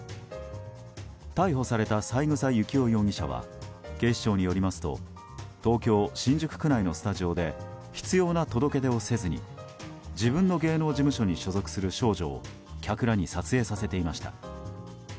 逮捕された三枝幸男容疑者は警視庁によりますと東京・新宿区内のスタジオで必要な届け出をせずに自分の芸能事務所に所属する少女を客らに撮影させていました。